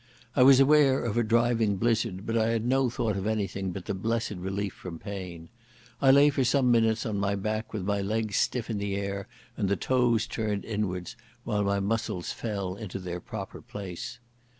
I was aware of a driving blizzard, but I had no thought of anything but the blessed relief from pain. I lay for some minutes on my back with my legs stiff in the air and the toes turned inwards, while my muscles fell into their proper place.